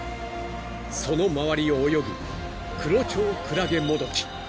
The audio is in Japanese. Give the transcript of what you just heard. ［その周りを泳ぐクロチョウクラゲモドキ］